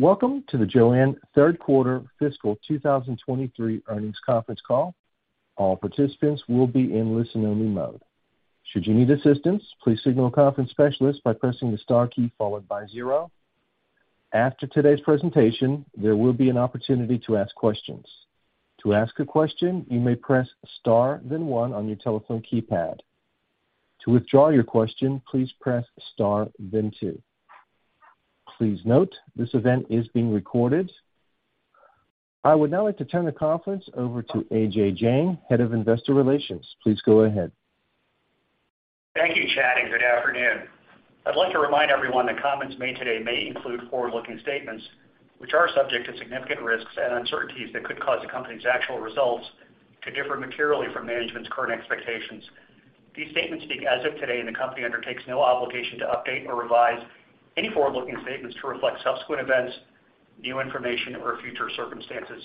Welcome to the JOANN third quarter fiscal 2023 earnings conference call. All participants will be in listen-only mode. Should you need assistance, please signal a conference specialist by pressing the star key followed by zero. After today's presentation, there will be an opportunity to ask questions. To ask a question, you may press star then one on your telephone keypad. To withdraw your question, please press star then two. Please note this event is being recorded. I would now like to turn the conference over to Ajay Jain, Head of Investor Relations. Please go ahead. Thank you, Chad, and good afternoon. I'd like to remind everyone that comments made today may include forward-looking statements, which are subject to significant risks and uncertainties that could cause the company's actual results to differ materially from management's current expectations. These statements speak as of today, and the company undertakes no obligation to update or revise any forward-looking statements to reflect subsequent events, new information, or future circumstances.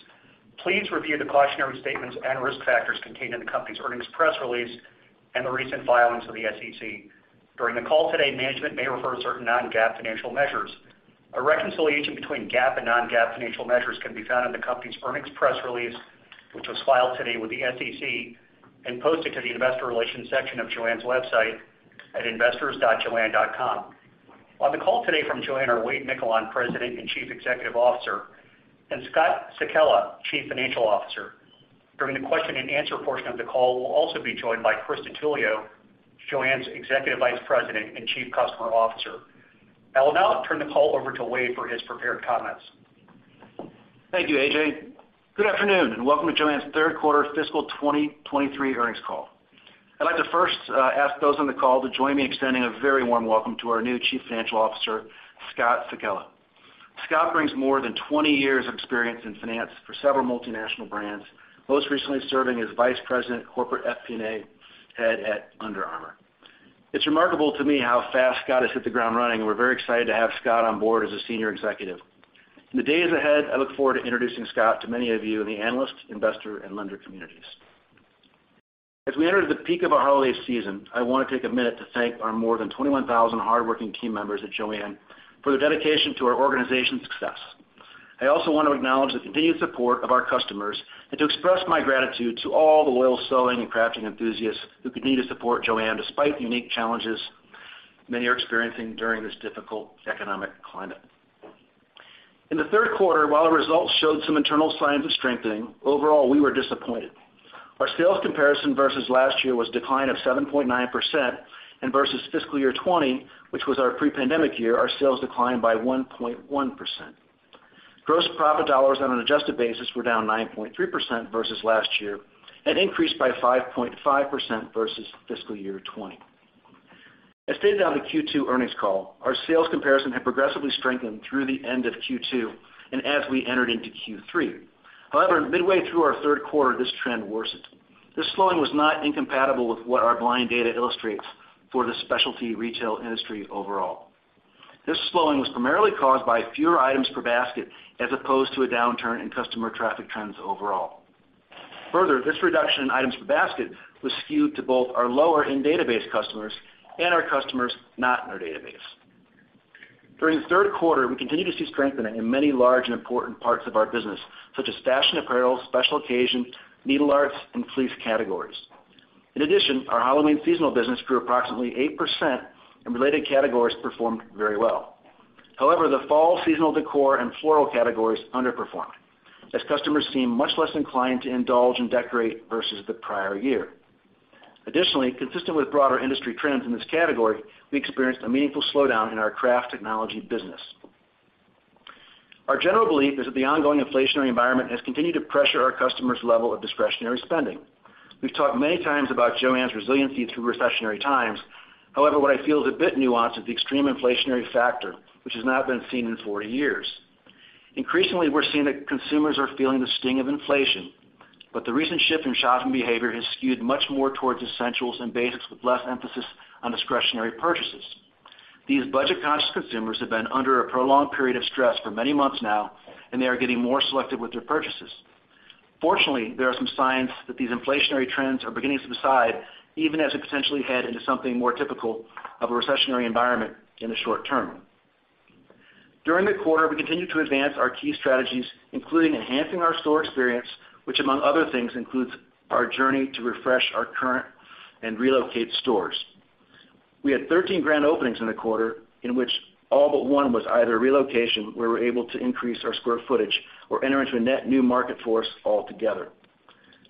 Please review the cautionary statements and risk factors contained in the company's earnings press release and the recent filings of the SEC. During the call today, management may refer to certain non-GAAP financial measures. A reconciliation between GAAP and non-GAAP financial measures can be found in the company's earnings press release, which was filed today with the SEC and posted to the investor relations section of JOANN's website at investors.joann.com. On the call today from JOANN are Wade Miquelon, President and Chief Executive Officer, and Scott Sekella, Chief Financial Officer. During the question and answer portion of the call, we'll also be joined by Chris DiTullio, JOANN's Executive Vice President and Chief Customer Officer. I will now turn the call over to Wade for his prepared comments. Thank you, Ajay. Good afternoon and welcome to JOANN's third quarter fiscal 2023 earnings call. I'd like to first ask those on the call to join me extending a very warm welcome to our new Chief Financial Officer, Scott Sekella. Scott brings more than 20 years of experience in finance for several multinational brands, most recently serving as Vice President, Corporate FP&A Head at Under Armour. It's remarkable to me how fast Scott has hit the ground running, and we're very excited to have Scott on board as a senior executive. In the days ahead, I look forward to introducing Scott to many of you in the analyst, investor, and lender communities. As we enter the peak of our holiday season, I want to take a minute to thank our more than 21,000 hardworking team members at JOANN for their dedication to our organization's success. I also want to acknowledge the continued support of our customers and to express my gratitude to all the loyal sewing and crafting enthusiasts who continue to support JOANN despite the unique challenges many are experiencing during this difficult economic climate. In the third quarter, while the results showed some internal signs of strengthening, overall, we were disappointed. Our sales comparison versus last year was decline of 7.9% and versus fiscal year 2020, which was our pre-pandemic year, our sales declined by 1.1%. Gross profit dollars on an adjusted basis were down 9.3% versus last year and increased by 5.5% versus fiscal year 2020. As stated on the Q2 earnings call, our sales comparison had progressively strengthened through the end of Q2 and as we entered into Q3. However, midway through our third quarter, this trend worsened. This slowing was not incompatible with what our blind data illustrates for the specialty retail industry overall. This slowing was primarily caused by fewer items per basket as opposed to a downturn in customer traffic trends overall. Further, this reduction in items per basket was skewed to both our lower end database customers and our customers not in our database. During the third quarter, we continued to see strengthening in many large and important parts of our business, such as fashion apparel, special occasion, needle arts, and fleece categories. In addition, our Halloween seasonal business grew approximately 8%, and related categories performed very well. However, the fall seasonal decor and floral categories underperformed, as customers seemed much less inclined to indulge and decorate versus the prior year. Additionally, consistent with broader industry trends in this category, we experienced a meaningful slowdown in our craft technology business. Our general belief is that the ongoing inflationary environment has continued to pressure our customers' level of discretionary spending. We've talked many times about JOANN's resiliency through recessionary times. However, what I feel is a bit nuanced is the extreme inflationary factor, which has not been seen in 40 years. Increasingly, we're seeing that consumers are feeling the sting of inflation, but the recent shift in shopping behavior has skewed much more towards essentials and basics with less emphasis on discretionary purchases. These budget-conscious consumers have been under a prolonged period of stress for many months now, and they are getting more selective with their purchases. Fortunately, there are some signs that these inflationary trends are beginning to subside, even as we potentially head into something more typical of a recessionary environment in the short term. During the quarter, we continued to advance our key strategies, including enhancing our store experience, which, among other things, includes our journey to refresh our current and relocate stores. We had 13 grand openings in the quarter in which all but one was either a relocation where we're able to increase our square footage or enter into a net new market for us altogether.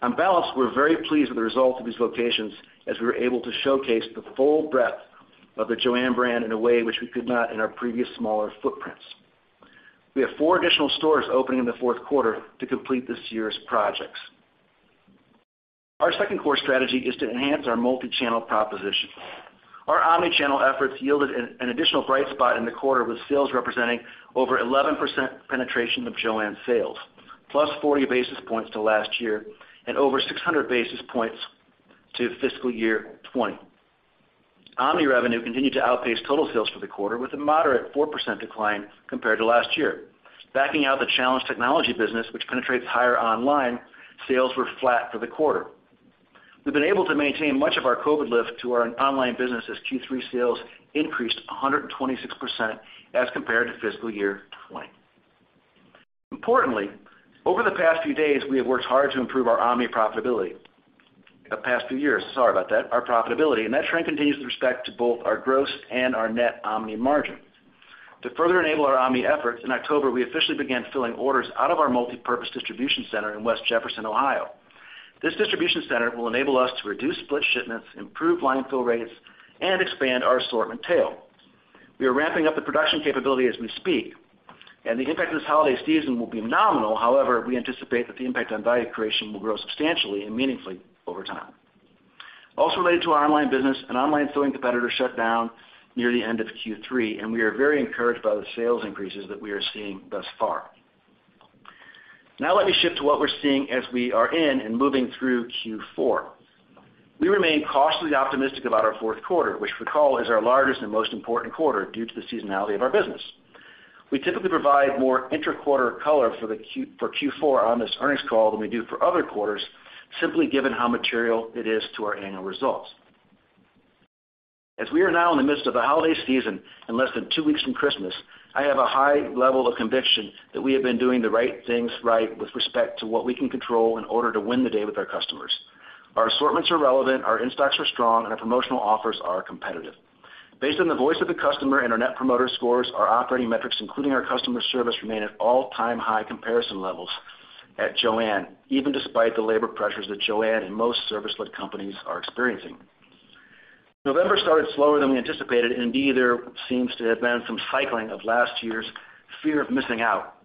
On balance, we're very pleased with the results of these locations as we were able to showcase the full breadth of the JOANN brand in a way which we could not in our previous smaller footprints. We have four additional stores opening in the fourth quarter to complete this year's projects. Our second core strategy is to enhance our multi-channel proposition. Our omni-channel efforts yielded an additional bright spot in the quarter, with sales representing over 11% penetration of JOANN's sales, plus 40 basis points to last year and over 600 basis points to fiscal year 2020. Omni revenue continued to outpace total sales for the quarter, with a moderate 4% decline compared to last year. Backing out the challenge technology business, which penetrates higher online, sales were flat for the quarter. We've been able to maintain much of our COVID lift to our online business as Q3 sales increased 126% as compared to fiscal year 2020. Importantly, over the past few days, we have worked hard to improve our omni profitability. The past few years, sorry about that, our profitability. And that trend continues with respect to both our gross and our net omni margin. To further enable our omni efforts, in October, we officially began filling orders out of our multipurpose distribution center in West Jefferson, Ohio. This distribution center will enable us to reduce split shipments, improve line fill rates, and expand our assortment tail. We are ramping up the production capability as we speak, and the impact of this holiday season will be nominal. However, we anticipate that the impact on value creation will grow substantially and meaningfully over time. Related to our online business, an online sewing competitor shut down near the end of Q3, and we are very encouraged by the sales increases that we are seeing thus far. Let me shift to what we're seeing as we are in and moving through Q4. We remain cautiously optimistic about our fourth quarter, which recall is our largest and most important quarter due to the seasonality of our business. We typically provide more intra-quarter color for Q4 on this earnings call than we do for other quarters, simply given how material it is to our annual results. We are now in the midst of the holiday season and less than 2 weeks from Christmas, I have a high level of conviction that we have been doing the right things right with respect to what we can control in order to win the day with our customers. Our assortments are relevant, our in-stocks are strong, and our promotional offers are competitive. Based on the voice of the customer and our Net Promoter Scores, our operating metrics, including our customer service, remain at all-time high comparison levels at JOANN, even despite the labor pressures that JOANN and most service-led companies are experiencing. November started slower than we anticipated, and indeed, there seems to have been some cycling of last year's fear of missing out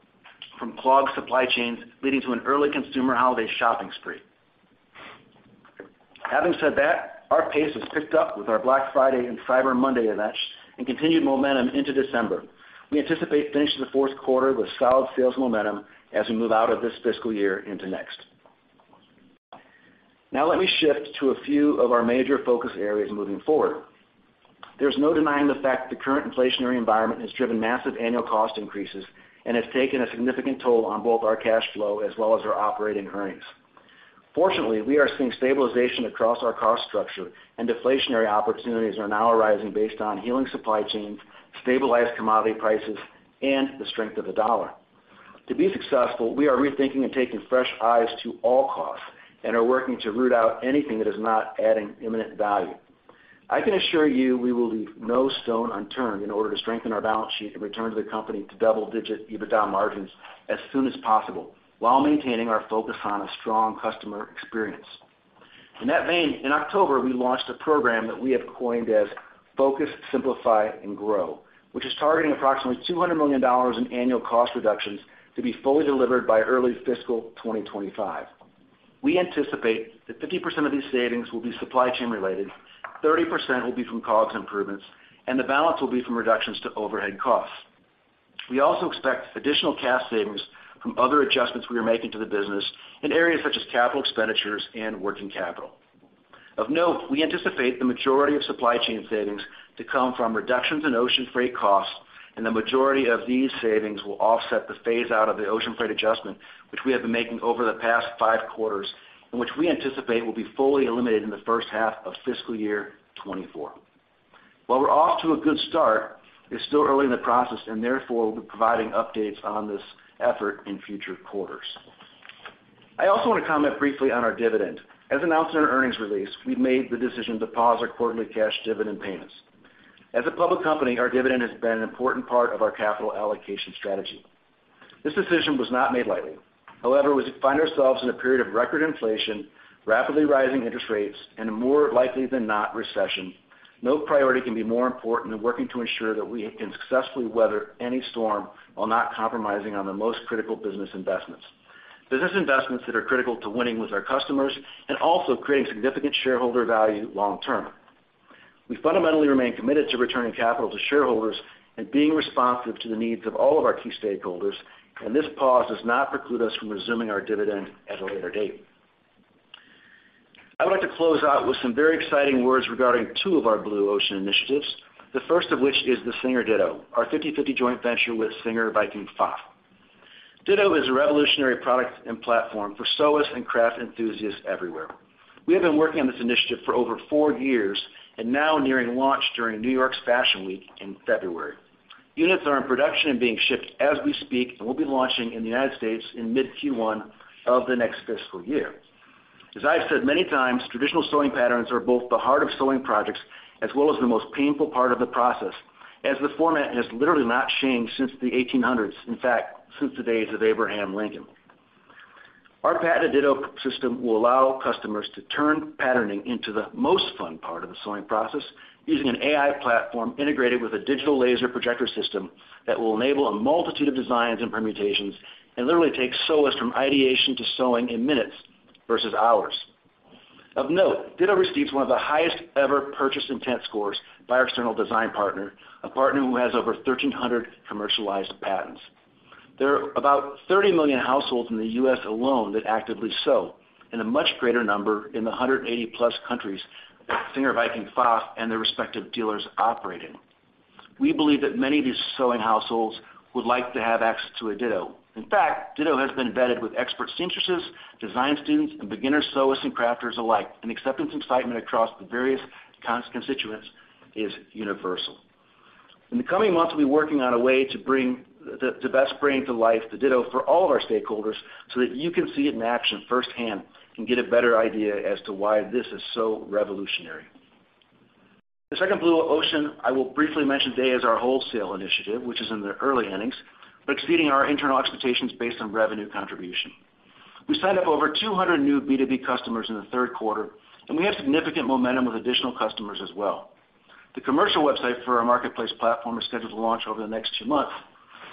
from clogged supply chains, leading to an early consumer holiday shopping spree. Having said that, our pace has picked up with our Black Friday and Cyber Monday events and continued momentum into December. We anticipate finishing the fourth quarter with solid sales momentum as we move out of this fiscal year into next. Now let me shift to a few of our major focus areas moving forward. There's no denying the fact that the current inflationary environment has driven massive annual cost increases and has taken a significant toll on both our cash flow as well as our operating earnings. Fortunately, we are seeing stabilization across our cost structure and deflationary opportunities are now arising based on healing supply chains, stabilized commodity prices, and the strength of the dollar. To be successful, we are rethinking and taking fresh eyes to all costs and are working to root out anything that is not adding imminent value. I can assure you we will leave no stone unturned in order to strengthen our balance sheet and return to the company to double-digit EBITDA margins as soon as possible while maintaining our focus on a strong customer experience. In that vein, in October, we launched a program that we have coined as Focus, Simplify, and Grow, which is targeting approximately $200 million in annual cost reductions to be fully delivered by early fiscal 2025. We anticipate that 50% of these savings will be supply chain related, 30% will be from COGS improvements, and the balance will be from reductions to overhead costs. We also expect additional cash savings from other adjustments we are making to the business in areas such as capital expenditures and working capital. Of note, we anticipate the majority of supply chain savings to come from reductions in ocean freight costs, and the majority of these savings will offset the phase out of the ocean freight adjustment, which we have been making over the past five quarters, and which we anticipate will be fully eliminated in the first half of fiscal year 2024. While we're off to a good start, it's still early in the process and therefore we'll be providing updates on this effort in future quarters. I also want to comment briefly on our dividend. As announced in our earnings release, we've made the decision to pause our quarterly cash dividend payments. As a public company, our dividend has been an important part of our capital allocation strategy. This decision was not made lightly. However, as we find ourselves in a period of record inflation, rapidly rising interest rates, and a more likely than not recession, no priority can be more important than working to ensure that we can successfully weather any storm while not compromising on the most critical business investments that are critical to winning with our customers and also creating significant shareholder value long term. We fundamentally remain committed to returning capital to shareholders and being responsive to the needs of all of our key stakeholders. This pause does not preclude us from resuming our dividend at a later date. I would like to close out with some very exciting words regarding two of our blue ocean initiatives, the first of which is the Singer Ditto, our 50/50 joint venture with Singer, Viking, PFAFF. Ditto is a revolutionary product and platform for sewists and craft enthusiasts everywhere. We have been working on this initiative for over 4 years and now nearing launch during New York's Fashion Week in February. Units are in production and being shipped as we speak and will be launching in the United States in mid-Q1 of the next fiscal year. As I have said many times, traditional sewing patterns are both the heart of sewing projects as well as the most painful part of the process, as the format has literally not changed since the 1800s, in fact, since the days of Abraham Lincoln. Our patented Ditto system will allow customers to turn patterning into the most fun part of the sewing process using an AI platform integrated with a digital laser projector system that will enable a multitude of designs and permutations and literally take sewists from ideation to sewing in minutes versus hours. Of note, Ditto received one of the highest ever purchase intent scores by our external design partner, a partner who has over 1,300 commercialized patents. There are about 30 million households in the U.S. alone that actively sew, and a much greater number in the 180+ countries that Singer, Viking, PFAFF, and their respective dealers operate in. We believe that many of these sewing households would like to have access to a Ditto. Ditto has been vetted with expert seamstresses, design students, and beginner sewists and crafters alike. Acceptance and excitement across the various constituents is universal. In the coming months, we'll be working on a way to best bring to life the Ditto for all of our stakeholders. You can see it in action firsthand and get a better idea as to why this is so revolutionary. The second blue ocean I will briefly mention today is our wholesale initiative, which is in the early innings, but exceeding our internal expectations based on revenue contribution. We signed up over 200 new B2B customers in the third quarter. We have significant momentum with additional customers as well. The commercial website for our marketplace platform is scheduled to launch over the next 2 months.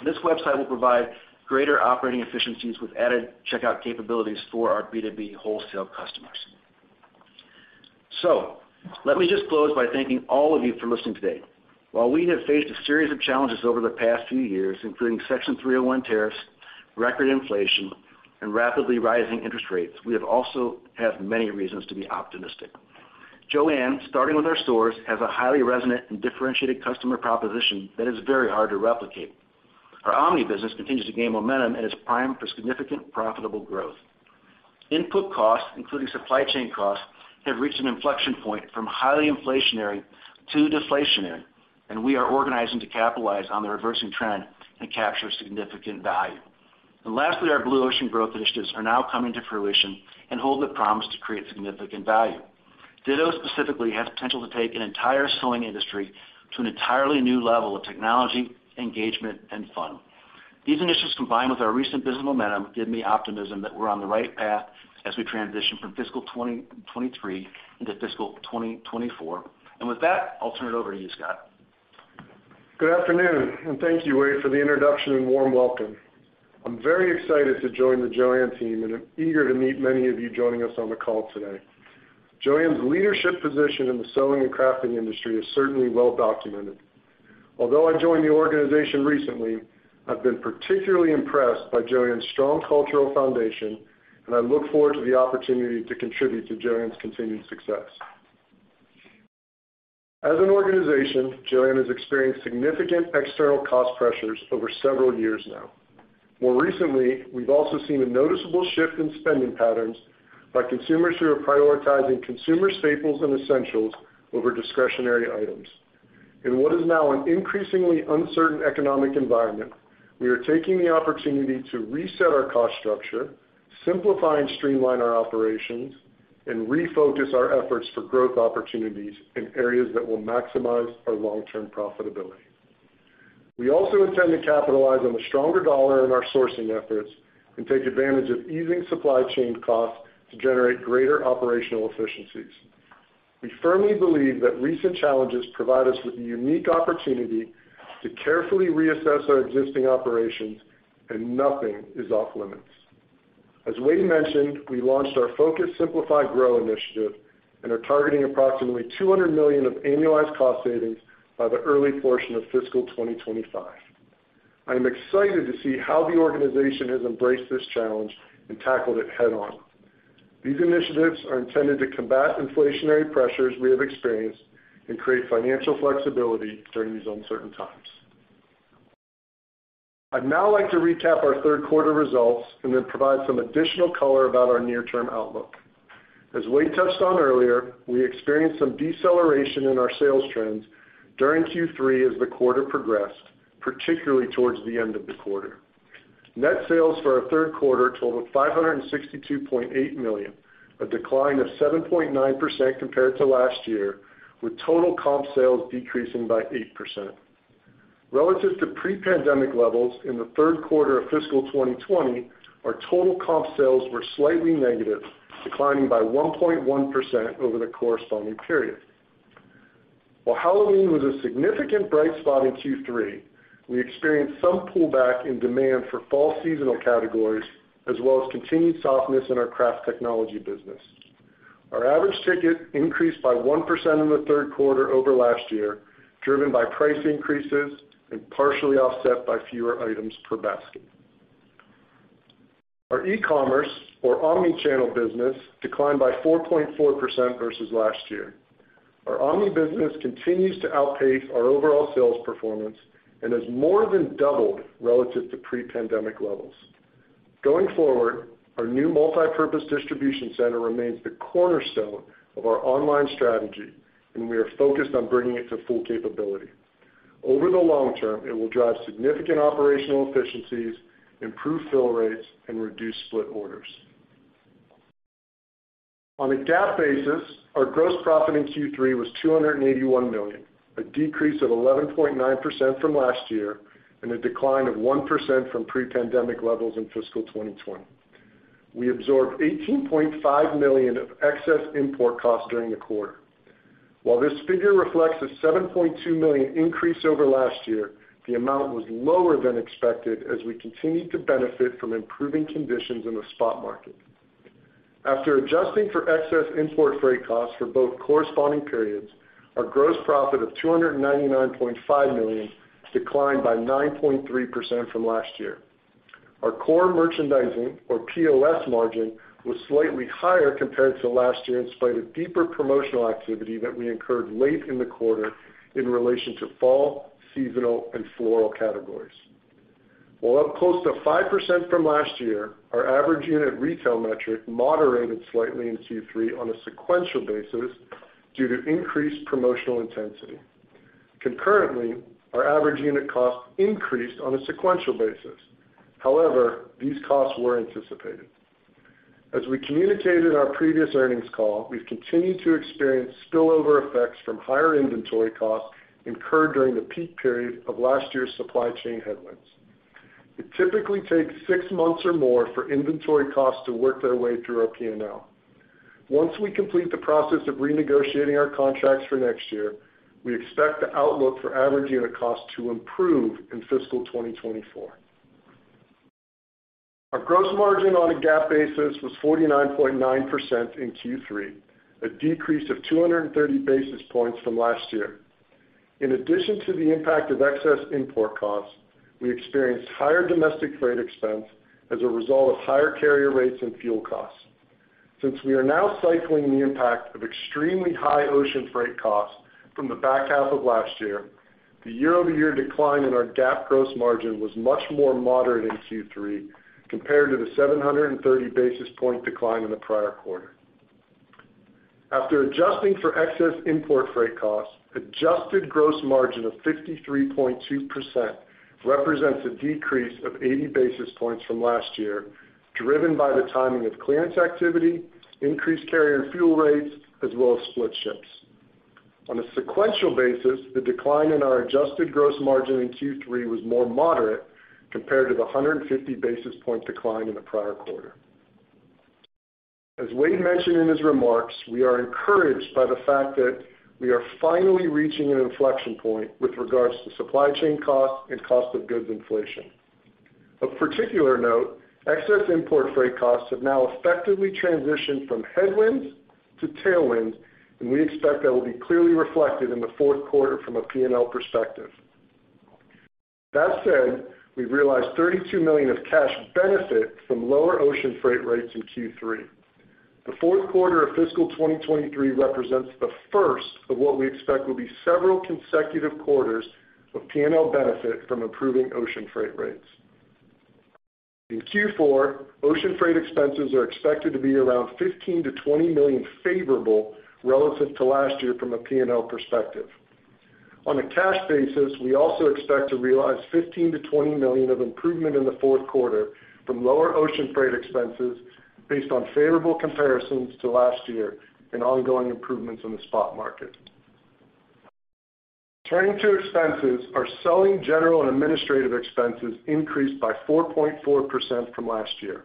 This website will provide greater operating efficiencies with added checkout capabilities for our B2B wholesale customers. Let me just close by thanking all of you for listening today. While we have faced a series of challenges over the past few years, including Section 301 tariffs, record inflation, and rapidly rising interest rates, we have also had many reasons to be optimistic. JOANN, starting with our stores, has a highly resonant and differentiated customer proposition that is very hard to replicate. Our omni business continues to gain momentum and is primed for significant profitable growth. Input costs, including supply chain costs, have reached an inflection point from highly inflationary to deflationary, and we are organizing to capitalize on the reversing trend and capture significant value. Lastly, our blue ocean growth initiatives are now coming to fruition and hold the promise to create significant value. Ditto specifically has potential to take an entire sewing industry to an entirely new level of technology, engagement, and fun. These initiatives, combined with our recent business momentum, give me optimism that we're on the right path as we transition from fiscal 2023 into fiscal 2024. With that, I'll turn it over to you, Scott. Good afternoon, and thank you, Wade, for the introduction and warm welcome. I'm very excited to join the JOANN team, and I'm eager to meet many of you joining us on the call today. JOANN's leadership position in the sewing and crafting industry is certainly well documented. Although I joined the organization recently, I've been particularly impressed by JOANN's strong cultural foundation, and I look forward to the opportunity to contribute to JOANN's continued success. As an organization, JOANN has experienced significant external cost pressures over several years now. More recently, we've also seen a noticeable shift in spending patterns by consumers who are prioritizing consumer staples and essentials over discretionary items. In what is now an increasingly uncertain economic environment, we are taking the opportunity to reset our cost structure, simplify and streamline our operations, and refocus our efforts for growth opportunities in areas that will maximize our long-term profitability. We also intend to capitalize on the stronger dollar in our sourcing efforts and take advantage of easing supply chain costs to generate greater operational efficiencies. We firmly believe that recent challenges provide us with a unique opportunity to carefully reassess our existing operations, and nothing is off-limits. As Wade mentioned, we launched our Focus, Simplify, and Grow initiative and are targeting approximately $200 million of annualized cost savings by the early portion of fiscal 2025. I am excited to see how the organization has embraced this challenge and tackled it head-on. These initiatives are intended to combat inflationary pressures we have experienced and create financial flexibility during these uncertain times. I'd now like to recap our third quarter results and then provide some additional color about our near-term outlook. As Wade touched on earlier, we experienced some deceleration in our sales trends during Q3 as the quarter progressed, particularly towards the end of the quarter. Net sales for our third quarter totaled $562.8 million, a decline of 7.9% compared to last year, with total comp sales decreasing by 8%. Relative to pre-pandemic levels in the third quarter of fiscal 2020, our total comp sales were slightly negative, declining by 1.1% over the corresponding period. While Halloween was a significant bright spot in Q3, we experienced some pullback in demand for fall seasonal categories, as well as continued softness in our craft technology business. Our average ticket increased by 1% in the third quarter over last year, driven by price increases and partially offset by fewer items per basket. Our e-commerce or omni-channel business declined by 4.4% versus last year. Our omni business continues to outpace our overall sales performance and has more than doubled relative to pre-pandemic levels. Going forward, our new multipurpose distribution center remains the cornerstone of our online strategy, and we are focused on bringing it to full capability. Over the long term, it will drive significant operational efficiencies, improve fill rates, and reduce split orders. On a GAAP basis, our gross profit in Q3 was $281 million, a decrease of 11.9% from last year and a decline of 1% from pre-pandemic levels in fiscal 2020. We absorbed $18.5 million of excess import costs during the quarter. This figure reflects a $7.2 million increase over last year, the amount was lower than expected as we continued to benefit from improving conditions in the spot market. After adjusting for excess import freight costs for both corresponding periods, our gross profit of $299.5 million declined by 9.3% from last year. Our core merchandising or POS margin was slightly higher compared to last year in spite of deeper promotional activity that we incurred late in the quarter in relation to fall seasonal and floral categories. While up close to 5% from last year, our average unit retail metric moderated slightly in Q3 on a sequential basis due to increased promotional intensity. Concurrently, our average unit cost increased on a sequential basis. These costs were anticipated. As we communicated in our previous earnings call, we've continued to experience spillover effects from higher inventory costs incurred during the peak period of last year's supply chain headwinds. It typically takes 6 months or more for inventory costs to work their way through our P&L. Once we complete the process of renegotiating our contracts for next year, we expect the outlook for average unit cost to improve in fiscal 2024. Our gross margin on a GAAP basis was 49.9% in Q3, a decrease of 230 basis points from last year. In addition to the impact of excess import costs, we experienced higher domestic freight expense as a result of higher carrier rates and fuel costs. Since we are now cycling the impact of extremely high ocean freight costs from the back half of last year, the year-over-year decline in our GAAP gross margin was much more moderate in Q3 compared to the 730 basis point decline in the prior quarter. After adjusting for excess import freight costs, adjusted gross margin of 53.2% represents a decrease of 80 basis points from last year, driven by the timing of clearance activity, increased carrier and fuel rates, as well as split ships. On a sequential basis, the decline in our adjusted gross margin in Q3 was more moderate compared to the 150 basis point decline in the prior quarter. As Wade mentioned in his remarks, we are encouraged by the fact that we are finally reaching an inflection point with regards to supply chain costs and cost of goods inflation. Of particular note, excess import freight costs have now effectively transitioned from headwinds to tailwinds, and we expect that will be clearly reflected in the fourth quarter from a P&L perspective. That said, we've realized $32 million of cash benefit from lower ocean freight rates in Q3. The fourth quarter of fiscal 2023 represents the first of what we expect will be several consecutive quarters of P&L benefit from improving ocean freight rates. In Q4, ocean freight expenses are expected to be around $15 million-$20 million favorable relative to last year from a P&L perspective. On a cash basis, we also expect to realize $15 million-$20 million of improvement in the fourth quarter from lower ocean freight expenses based on favorable comparisons to last year and ongoing improvements in the spot market. Turning to expenses, our selling, general, and administrative expenses increased by 4.4% from last year.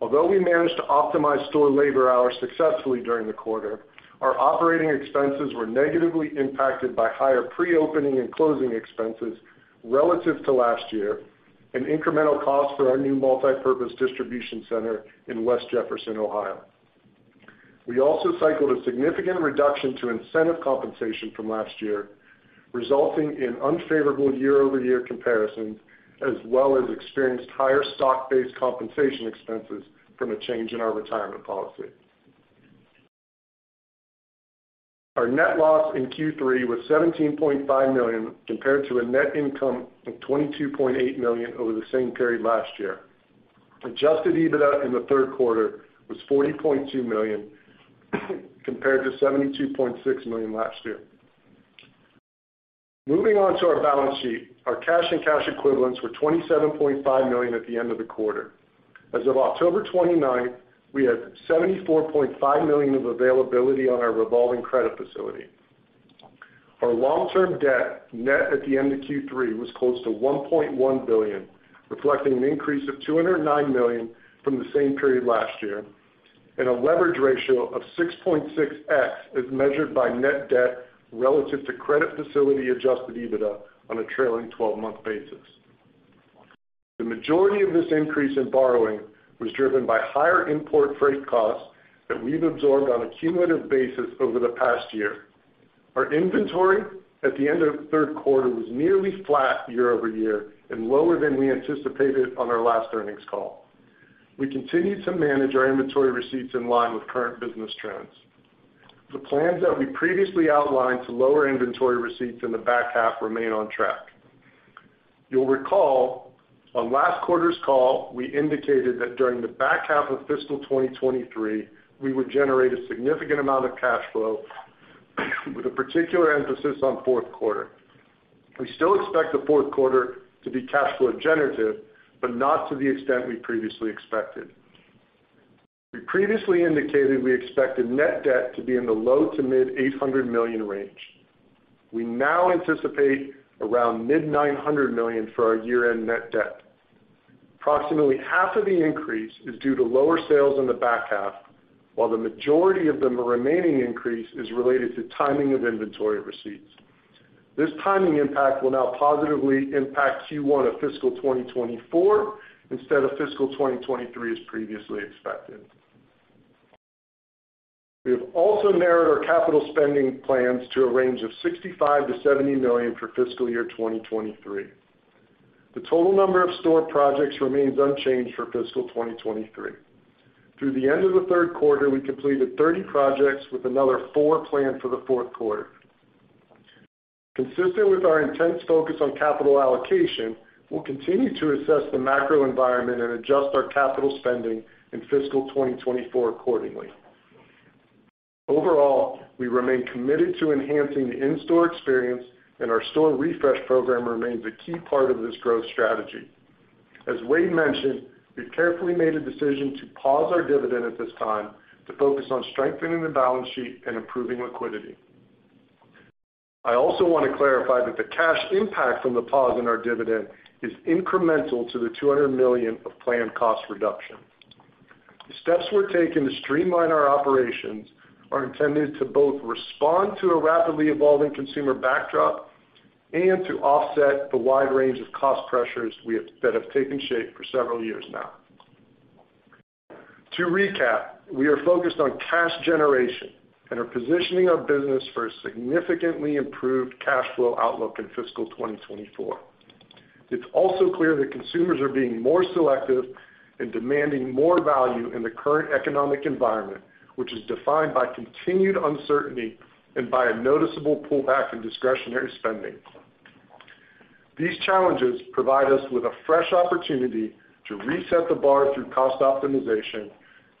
Although we managed to optimize store labor hours successfully during the quarter, our operating expenses were negatively impacted by higher pre-opening and closing expenses relative to last year and incremental costs for our new multipurpose distribution center in West Jefferson, Ohio. We also cycled a significant reduction to incentive compensation from last year, resulting in unfavorable year-over-year comparisons, as well as experienced higher stock-based compensation expenses from a change in our retirement policy. Our net loss in Q3 was $17.5 million, compared to a net income of $22.8 million over the same period last year. Adjusted EBITDA in the third quarter was $40.2 million compared to $72.6 million last year. Moving on to our balance sheet. Our cash and cash equivalents were $27.5 million at the end of the quarter. As of October 29, we had $74.5 million of availability on our revolving credit facility. Our long-term debt net at the end of Q3 was close to $1.1 billion, reflecting an increase of $209 million from the same period last year, and a leverage ratio of 6.6x is measured by net debt relative to credit facility adjusted EBITDA on a trailing 12-month basis. The majority of this increase in borrowing was driven by higher import freight costs that we've absorbed on a cumulative basis over the past year. Our inventory at the end of third quarter was nearly flat year-over-year and lower than we anticipated on our last earnings call. We continued to manage our inventory receipts in line with current business trends. The plans that we previously outlined to lower inventory receipts in the back half remain on track. You'll recall on last quarter's call, we indicated that during the back half of fiscal 2023, we would generate a significant amount of cash flow with a particular emphasis on fourth quarter. We still expect the fourth quarter to be cash flow generative, but not to the extent we previously expected. We previously indicated we expected net debt to be in the low- to mid-$800 million range. We now anticipate around mid-$900 million for our year-end net debt. Approximately half of the increase is due to lower sales in the back half, while the majority of the remaining increase is related to timing of inventory receipts. This timing impact will now positively impact Q1 of fiscal 2024 instead of fiscal 2023 as previously expected. We have also narrowed our capital spending plans to a range of $65 million-$70 million for fiscal year 2023. The total number of store projects remains unchanged for fiscal 2023. Through the end of the third quarter, we completed 30 projects with another four planned for the fourth quarter. Consistent with our intense focus on capital allocation, we'll continue to assess the macro environment and adjust our capital spending in fiscal 2024 accordingly. Overall, we remain committed to enhancing the in-store experience, and our store refresh program remains a key part of this growth strategy. As Wade mentioned, we've carefully made a decision to pause our dividend at this time to focus on strengthening the balance sheet and improving liquidity. I also want to clarify that the cash impact from the pause in our dividend is incremental to the $200 million of planned cost reduction. The steps we're taking to streamline our operations are intended to both respond to a rapidly evolving consumer backdrop and to offset the wide range of cost pressures that have taken shape for several years now. To recap, we are focused on cash generation and are positioning our business for a significantly improved cash flow outlook in fiscal 2024. It's also clear that consumers are being more selective and demanding more value in the current economic environment, which is defined by continued uncertainty and by a noticeable pullback in discretionary spending. These challenges provide us with a fresh opportunity to reset the bar through cost optimization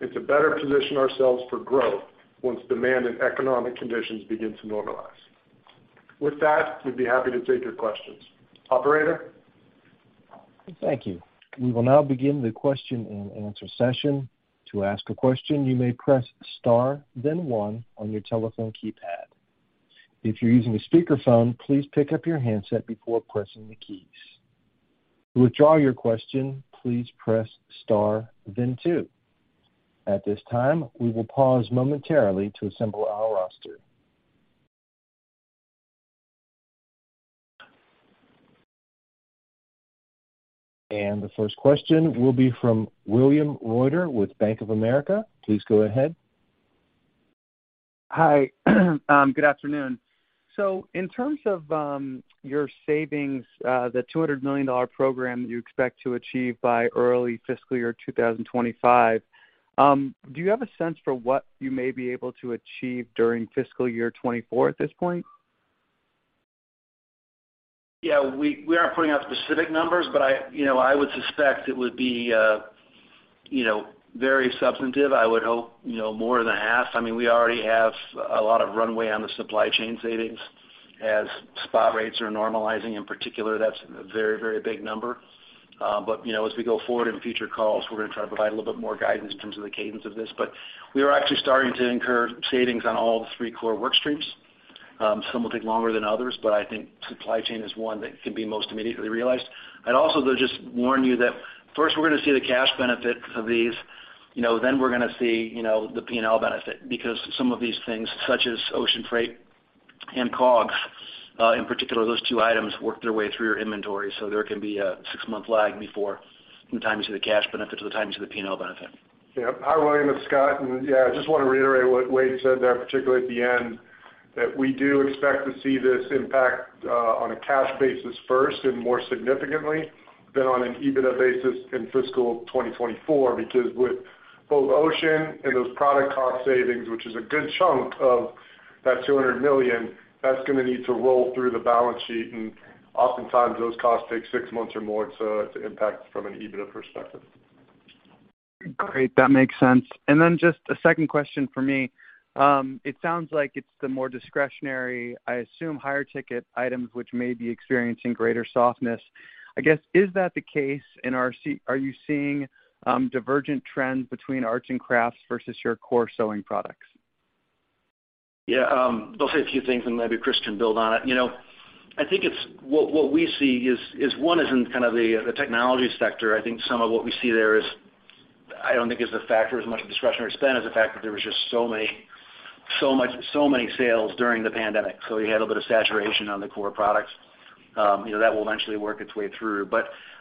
and to better position ourselves for growth once demand and economic conditions begin to normalize. With that, we'd be happy to take your questions. Operator? Thank you. We will now begin the question-and-answer session. To ask a question, you may press star then one on your telephone keypad. If you're using a speakerphone, please pick up your handset before pressing the keys. To withdraw your question, please press star then two. At this time, we will pause momentarily to assemble our roster. The first question will be from William Reuter with Bank of America. Please go ahead. Hi. Good afternoon. In terms of your savings, the $200 million program that you expect to achieve by early fiscal year 2025, do you have a sense for what you may be able to achieve during fiscal year 2024 at this point? Yeah, we aren't putting out specific numbers, but I, you know, I would suspect it would be, you know, very substantive. I would hope, you know, more than half. I mean, we already have a lot of runway on the supply chain savings as spot rates are normalizing. In particular, that's a very big number. You know, as we go forward in future calls, we're gonna try to provide a little bit more guidance in terms of the cadence of this. We are actually starting to incur savings on all the three core work streams. Some will take longer than others, but I think supply chain is one that can be most immediately realized. I'd also though just warn you that first we're gonna see the cash benefit of these, you know, then we're gonna see, you know, the P&L benefit. Some of these things, such as ocean freight and COGS, in particular, those two items work their way through your inventory, so there can be a 6-month lag before from the time you see the cash benefit to the time you see the P&L benefit. Yeah. Hi, William. It's Scott. Yeah, I just wanna reiterate what Wade said there, particularly at the end, that we do expect to see this impact on a cash basis first and more significantly than on an EBITDA basis in fiscal 2024. Because with both ocean and those product cost savings, which is a good chunk of that $200 million, that's gonna need to roll through the balance sheet, and oftentimes those costs take 6 months or more to impact from an EBITDA perspective. Great. That makes sense. Just a second question for me. It sounds like it's the more discretionary, I assume higher ticket items which may be experiencing greater softness. I guess, is that the case? Are you seeing divergent trends between arts and crafts versus your core sewing products? Yeah, I'll say a few things and maybe Chris can build on it. You know, I think what we see is one in kind of the technology sector. I think some of what we see there is, I don't think is a factor as much of discretionary spend as the fact that there was just so many sales during the pandemic, so you had a bit of saturation on the core products. You know, that will eventually work its way through.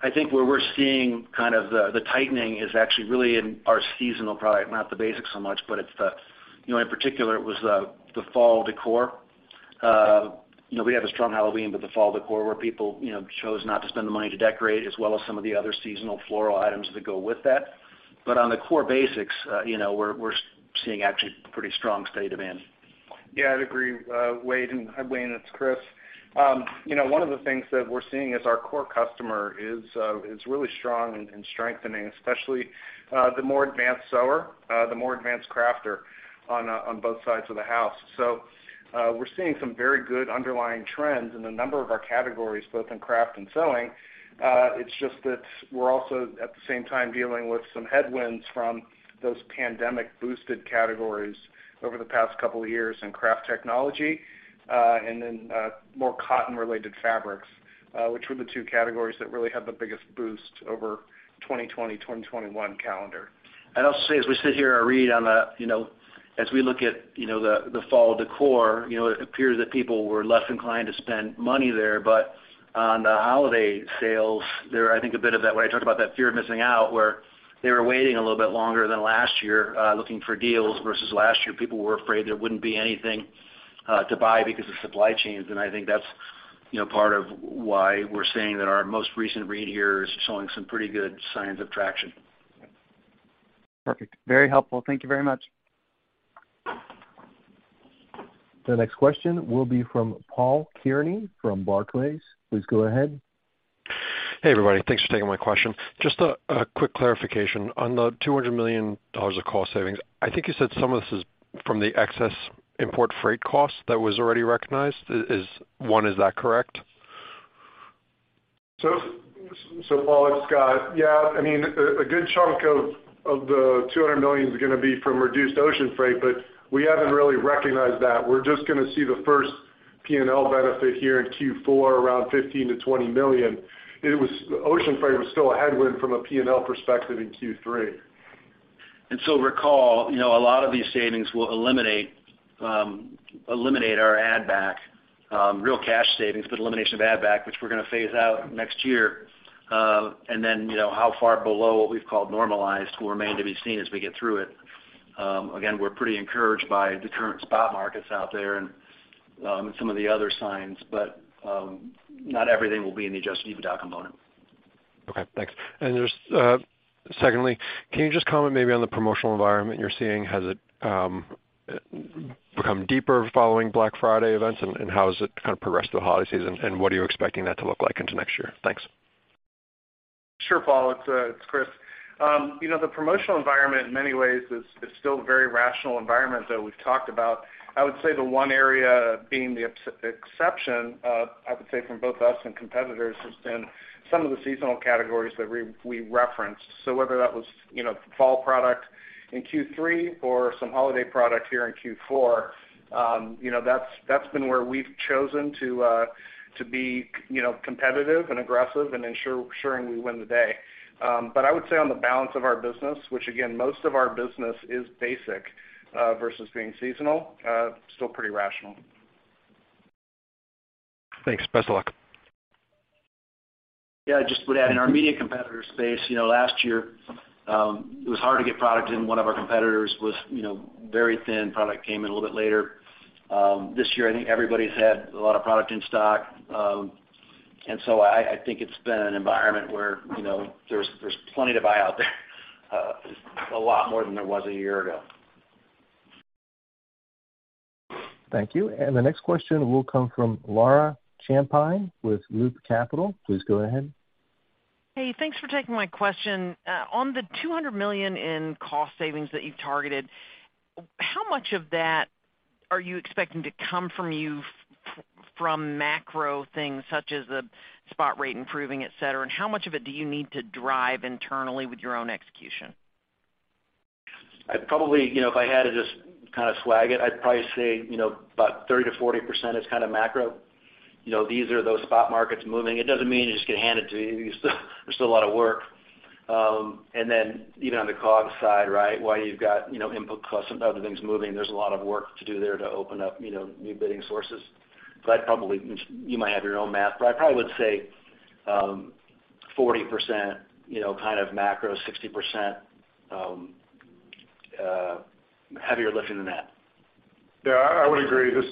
I think where we're seeing kind of the tightening is actually really in our seasonal product, not the basics so much, but it's the. You know, in particular, it was the fall decor. You know, we had a strong Halloween, but the fall decor where people, you know, chose not to spend the money to decorate as well as some of the other seasonal floral items that go with that. On the core basics, you know, we're seeing actually pretty strong stay demand. Yeah, I'd agree, Wade. Hi, William, it's Chris. You know, one of the things that we're seeing is our core customer is really strong and strengthening, especially the more advanced sewer, the more advanced crafter on both sides of the house. We're seeing some very good underlying trends in a number of our categories, both in craft and sewing. It's just that we're also, at the same time, dealing with some headwinds from those pandemic-boosted categories over the past couple of years in craft technology, and then more cotton-related fabrics, which were the two categories that really had the biggest boost over 2020, 2021 calendar. I'd also say, as we sit here, I read on the, you know, as we look at, you know, the fall decor, you know, it appears that people were less inclined to spend money there. On the holiday sales, there I think a bit of that, what I talked about, that fear of missing out, where they were waiting a little bit longer than last year, looking for deals versus last year, people were afraid there wouldn't be anything to buy because of supply chains. I think that's. You know, part of why we're saying that our most recent read here is showing some pretty good signs of traction. Perfect. Very helpful. Thank you very much. The next question will be from Paul Kearney from Barclays. Please go ahead. Hey, everybody. Thanks for taking my question. Just a quick clarification. On the $200 million of cost savings, I think you said some of this is from the excess import freight costs that was already recognized. Is one, is that correct? Paul, it's Scott. Yeah, I mean, a good chunk of the $200 million is gonna be from reduced ocean freight, but we haven't really recognized that. We're just gonna see the first P&L benefit here in Q4 around $15 million-$20 million. Ocean freight was still a headwind from a P&L perspective in Q3. Recall, you know, a lot of these savings will eliminate our add back, real cash savings, but elimination of add back, which we're gonna phase out next year. Then, you know, how far below what we've called normalized will remain to be seen as we get through it. Again, we're pretty encouraged by the current spot markets out there and some of the other signs, but not everything will be in the adjusted EBITDA component. Okay, thanks. Just, secondly, can you just comment maybe on the promotional environment you're seeing? Has it become deeper following Black Friday events, and how has it kind of progressed through the holiday season, and what are you expecting that to look like into next year? Thanks. Sure, Paul. It's Chris. You know, the promotional environment in many ways is still a very rational environment that we've talked about. I would say the one area being the exception, I would say from both us and competitors, has been some of the seasonal categories that we referenced. Whether that was, you know, fall product in Q3 or some holiday product here in Q4, you know, that's been where we've chosen to be, you know, competitive and aggressive and assuring we win the day. I would say on the balance of our business, which again, most of our business is basic, versus being seasonal, still pretty rational. Thanks. Best of luck. Yeah, I'd just would add in our immediate competitor space, you know, last year, it was hard to get product in. One of our competitors was, you know, very thin. Product came in a little bit later. This year, I think everybody's had a lot of product in stock. I think it's been an environment where, you know, there's plenty to buy out there, a lot more than there was a year ago. Thank you. The next question will come from Laura Champine with Loop Capital. Please go ahead. Hey, thanks for taking my question. On the $200 million in cost savings that you've targeted, how much of that are you expecting to come from macro things such as the spot rate improving, et cetera? How much of it do you need to drive internally with your own execution? I'd probably, you know, if I had to just kind of swag it, I'd probably say, you know, about 30%-40% is kind of macro. You know, these are those spot markets moving. It doesn't mean you're just gonna hand it to you. There's still a lot of work. Even on the COGS side, right, while you've got, you know, input costs and other things moving, there's a lot of work to do there to open up, you know, new bidding sources. You might have your own math, but I probably would say, 40%, you know, kind of macro, 60% heavier lifting than that. Yeah, I would agree. This is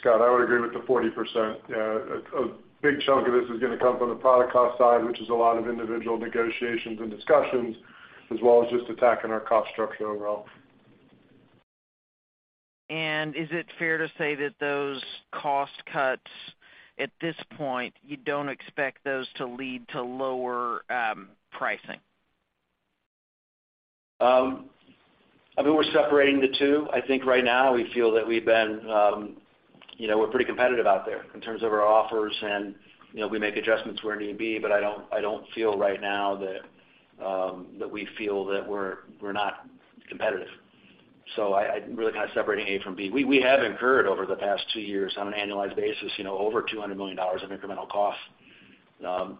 Scott. I would agree with the 40%. Yeah, a big chunk of this is gonna come from the product cost side, which is a lot of individual negotiations and discussions, as well as just attacking our cost structure overall. Is it fair to say that those cost cuts, at this point, you don't expect those to lead to lower pricing? I mean, we're separating the two. I think right now we feel that we've been, you know, we're pretty competitive out there in terms of our offers, and, you know, we make adjustments where need be, but I don't feel right now that we feel that we're not competitive. I really kind of separating A from B. We have incurred over the past 2 years on an annualized basis, you know, over $200 million of incremental costs,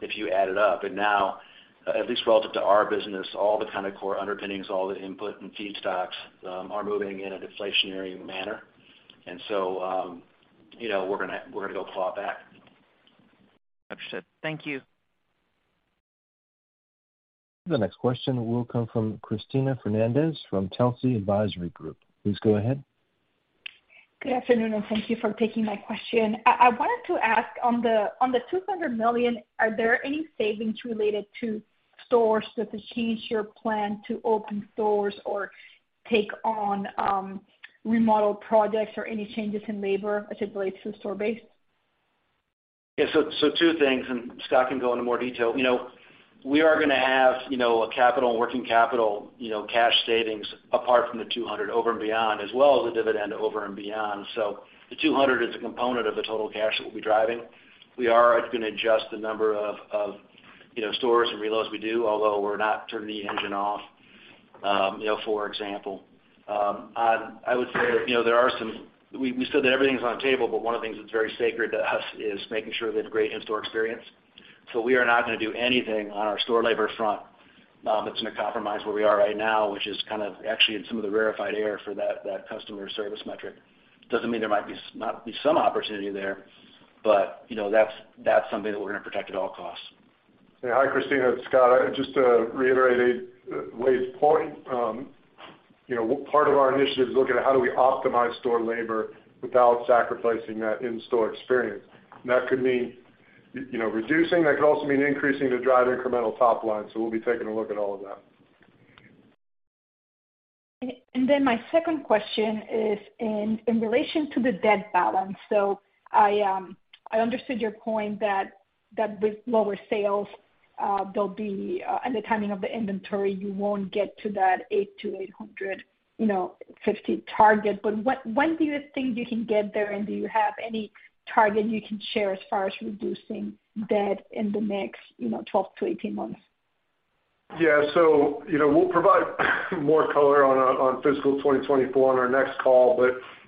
if you add it up. Now, at least relative to our business, all the kind of core underpinnings, all the input and feedstocks, are moving in an deflationary manner. You know, we're gonna go claw back. Understood. Thank you. The next question will come from Cristina Fernandez from Telsey Advisory Group. Please go ahead. Good afternoon. Thank you for taking my question. I wanted to ask on the $200 million, are there any savings related to stores that have changed your plan to open stores or take on remodel projects or any changes in labor as it relates to store base? Two things, and Scott can go into more detail. We are gonna have a capital and working capital cash savings apart from the $200 over and beyond, as well as the dividend over and beyond. The $200 is a component of the total cash that we'll be driving. We are going to adjust the number of stores and reloads we do, although we're not turning the engine off, for example. I would say, there are some. We said that everything's on the table, but one of the things that's very sacred to us is making sure they have great in-store experience. We are not gonna do anything on our store labor front, that's gonna compromise where we are right now, which is kind of actually in some of the rarefied air for that customer service metric. Doesn't mean there might not be some opportunity there, but, you know, that's something that we're gonna protect at all costs. Hi, Cristina, it's Scott. Just to reiterate Wade's point, you know, part of our initiative is looking at how do we optimize store labor without sacrificing that in-store experience. That could mean, you know, reducing, that could also mean increasing to drive incremental top line. We'll be taking a look at all of that. Then my second question is in relation to the debt balance. I understood your point that with lower sales, there'll be and the timing of the inventory, you won't get to that $800 million-$850 million target. When do you think you can get there? Do you have any target you can share as far as reducing debt in the next 12-18 months? You know, we'll provide more color on fiscal 2024 on our next call.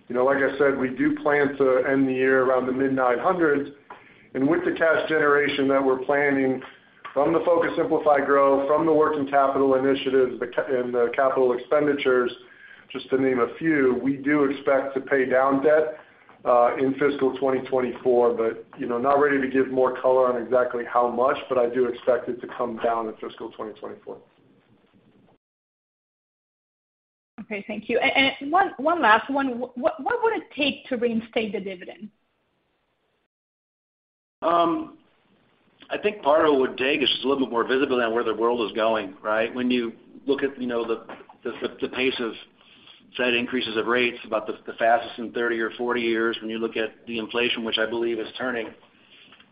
You know, like I said, we do plan to end the year around the mid-$900s. With the cash generation that we're planning from the Focus, Simplify, and Grow, from the working capital initiatives, and the capital expenditures, just to name a few, we do expect to pay down debt in fiscal 2024. You know, not ready to give more color on exactly how much, but I do expect it to come down in fiscal 2024. Okay, thank you. One last one. What would it take to reinstate the dividend? I think part of what it would take is just a little bit more visibility on where the world is going, right? When you look at, you know, the pace of said increases of rates, about the fastest in 30 or 40 years, when you look at the inflation, which I believe is turning,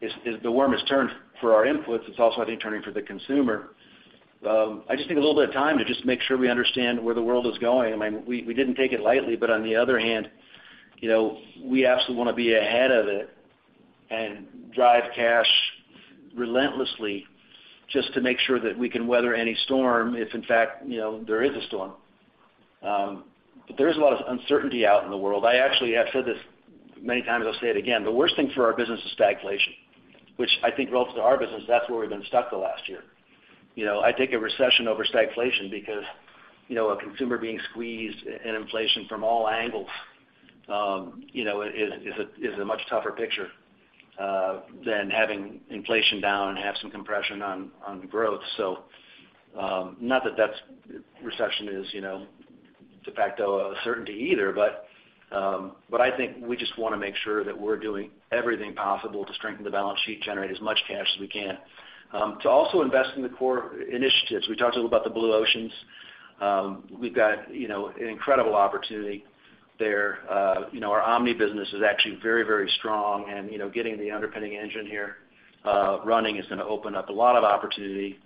is the warmest turn for our inputs, it's also, I think, turning for the consumer. I just need a little bit of time to just make sure we understand where the world is going. I mean, we didn't take it lightly, but on the other hand, you know, we absolutely wanna be ahead of it and drive cash relentlessly just to make sure that we can weather any storm if in fact, you know, there is a storm. But there is a lot of uncertainty out in the world. I actually have said this many times, I'll say it again, the worst thing for our business is stagflation, which I think relative to our business, that's where we've been stuck the last year. You know, I take a recession over stagflation because, you know, a consumer being squeezed in inflation from all angles, you know, is a much tougher picture than having inflation down and have some compression on growth. Not that that's recession is, you know, de facto a certainty either. But I think we just want to make sure that we're doing everything possible to strengthen the balance sheet, generate as much cash as we can, to also invest in the core initiatives. We talked a little about the blue oceans. We've got, you know, an incredible opportunity there. You know, our omni business is actually very, very strong and, you know, getting the underpinning engine here, running is gonna open up a lot of opportunity.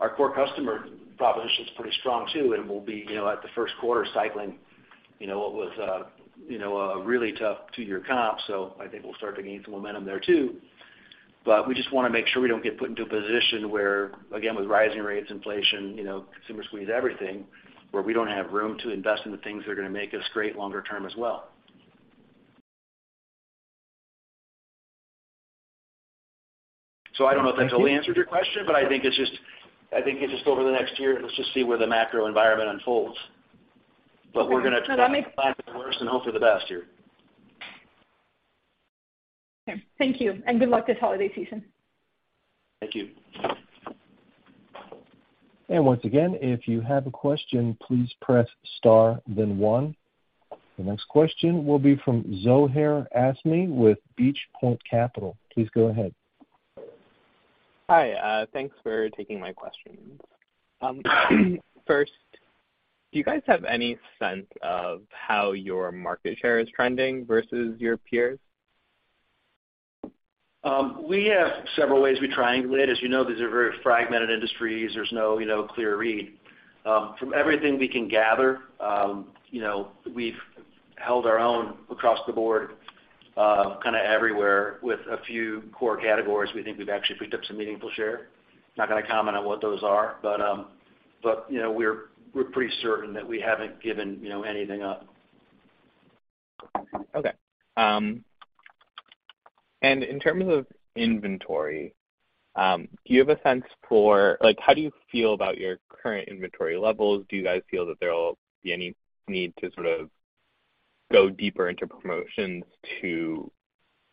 Our core customer proposition is pretty strong too, and we'll be, you know, at the first quarter cycling, you know, what was, you know, a really tough 2-year comp. I think we'll start to gain some momentum there too. We just wanna make sure we don't get put into a position where, again, with rising rates, inflation, you know, consumer squeeze everything, where we don't have room to invest in the things that are gonna make us great longer term as well. I don't know if that totally answered your question, but I think it's just over the next year, let's just see where the macro environment unfolds. We're gonna plan for the worst and hope for the best here. Okay, thank you, and good luck this holiday season. Thank you. Once again, if you have a question, please press star then one. The next question will be from Zohair Azmi with Beach Point Capital. Please go ahead. Hi, thanks for taking my questions. First, do you guys have any sense of how your market share is trending versus your peers? We have several ways we triangulate. As you know, these are very fragmented industries. There's no, you know, clear read. From everything we can gather, you know, we've held our own across the board, kinda everywhere with a few core categories we think we've actually picked up some meaningful share. Not gonna comment on what those are, but, you know, we're pretty certain that we haven't given, you know, anything up. Okay. In terms of inventory, how do you feel about your current inventory levels? Do you guys feel that there will be any need to sort of go deeper into promotions to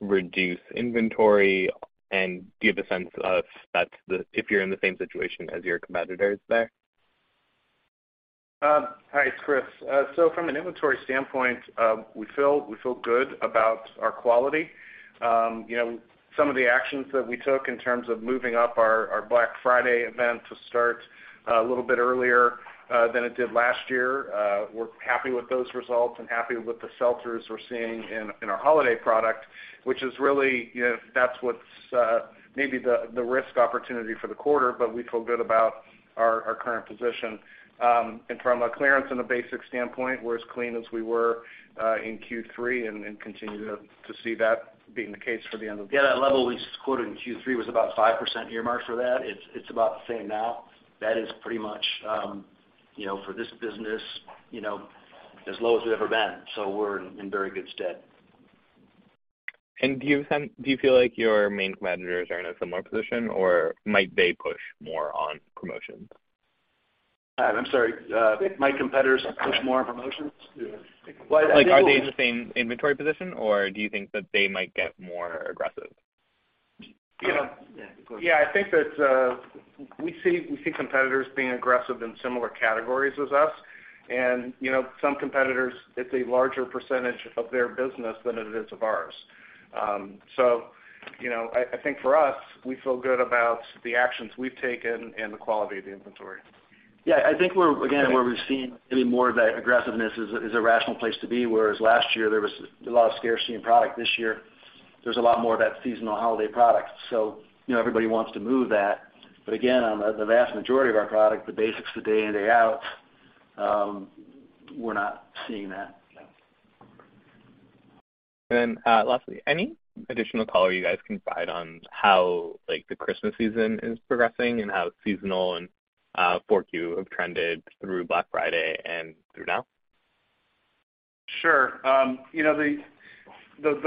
reduce inventory? Do you have a sense if you're in the same situation as your competitors there? Hi, it's Chris. From an inventory standpoint, we feel good about our quality. You know, some of the actions that we took in terms of moving up our Black Friday event to start a little bit earlier than it did last year, we're happy with those results and happy with the shelters we're seeing in our holiday product, which is really, you know, that's what's maybe the risk opportunity for the quarter, but we feel good about our current position. From a clearance and a basic standpoint, we're as clean as we were in Q3 and continue to see that being the case for the end of the- Yeah, that level we quoted in Q3 was about 5% year mark for that. It's about the same now. That is pretty much, you know, for this business, you know, as low as we've ever been. We're in very good stead. Do you feel like your main competitors are in a similar position, or might they push more on promotions? I'm sorry, might competitors push more promotions? Like, are they in the same inventory position, or do you think that they might get more aggressive? Yeah. Yeah, I think that, we see competitors being aggressive in similar categories as us. You know, some competitors, it's a larger percentage of their business than it is of ours. You know, I think for us, we feel good about the actions we've taken and the quality of the inventory. Yeah, I think again, where we've seen any more of that aggressiveness is a rational place to be, whereas last year there was a lot of scarcity in product. This year, there's a lot more of that seasonal holiday product. You know, everybody wants to move that. Again, on the vast majority of our product, the basics, the day in, day out, we're not seeing that. Lastly, any additional color you guys can provide on how, like, the Christmas season is progressing and how seasonal and 4Q have trended through Black Friday and through now? Sure. you know, the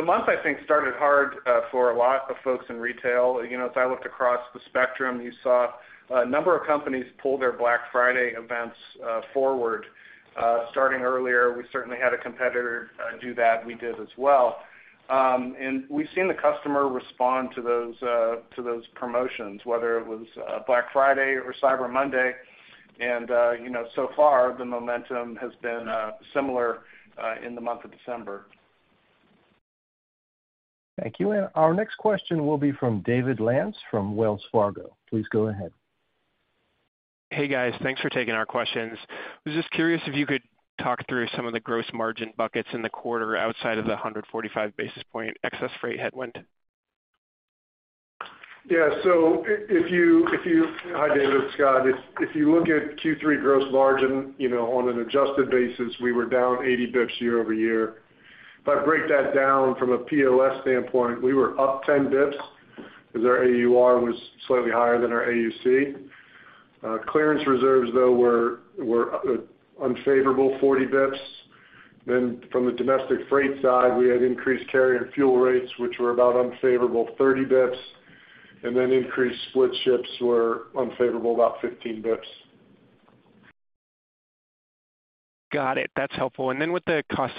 month I think started hard for a lot of folks in retail. You know, as I looked across the spectrum, you saw a number of companies pull their Black Friday events forward, starting earlier. We certainly had a competitor do that. We did as well. We've seen the customer respond to those to those promotions, whether it was Black Friday or Cyber Monday. You know, so far, the momentum has been similar in the month of December. Thank you. Our next question will be from David Lantz from Wells Fargo. Please go ahead. Hey, guys. Thanks for taking our questions. I was just curious if you could talk through some of the gross margin buckets in the quarter outside of the 145 basis point excess freight headwind. Hi, David. It's Scott. If you look at Q3 gross margin, you know, on an adjusted basis, we were down 80 basis points year-over-year. If I break that down from a POS standpoint, we were up 10 basis points because our AUR was slightly higher than our AUC. Clearance reserves, though, were unfavorable 40 basis points. From the domestic freight side, we had increased carrier fuel rates, which were about unfavorable 30 basis points, and increased split ships were unfavorable about 15 basis points. Got it. That's helpful. With the cost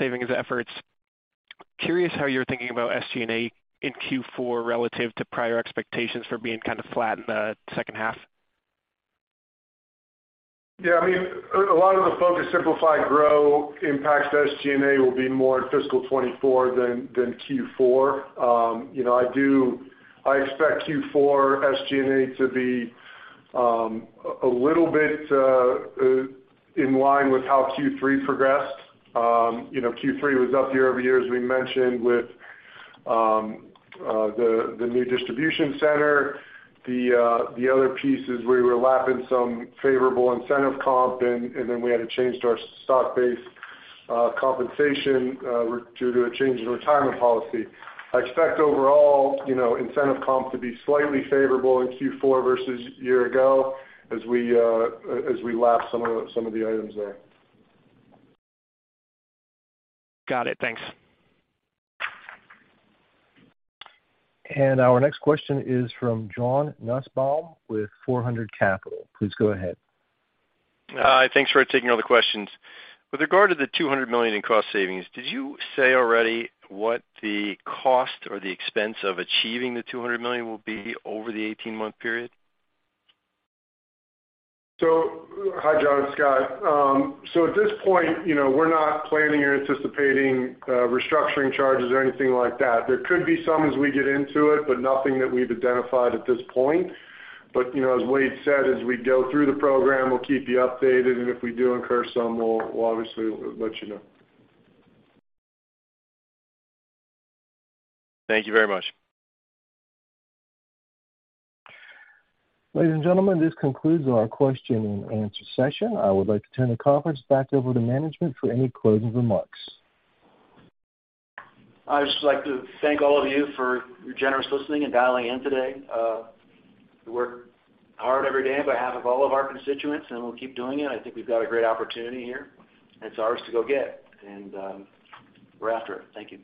savings efforts, curious how you're thinking about SG&A in Q4 relative to prior expectations for being kind of flat in the second half? Yeah, I mean, a lot of the Focus, Simplify, and Grow impacts to SG&A will be more in fiscal 2024 than Q4. You know, I expect Q4 SG&A to be a little bit in line with how Q3 progressed. You know, Q3 was up year-over-year, as we mentioned, with the new distribution center. The other piece is we were lapping some favorable incentive comp, and then we had to change to our stock-based compensation due to a change in retirement policy. I expect overall, you know, incentive comp to be slightly favorable in Q4 versus year ago as we lap some of the items there. Got it. Thanks. Our next question is from John Nusbaum with 400 Capital. Please go ahead. Thanks for taking all the questions. With regard to the $200 million in cost savings, did you say already what the cost or the expense of achieving the $200 million will be over the 18-month period? Hi, John. It's Scott. At this point, you know, we're not planning or anticipating restructuring charges or anything like that. There could be some as we get into it, but nothing that we've identified at this point. You know, as Wade said, as we go through the program, we'll keep you updated, and if we do incur some, we'll obviously let you know. Thank you very much. Ladies and gentlemen, this concludes our question and answer session. I would like to turn the conference back over to management for any closing remarks. I'd just like to thank all of you for your generous listening and dialing in today. We work hard every day on behalf of all of our constituents, and we'll keep doing it. I think we've got a great opportunity here, and it's ours to go get, and, we're after it. Thank you.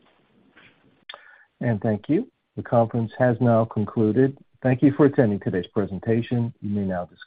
Thank you. The conference has now concluded. Thank you for attending today's presentation. You may now disconnect.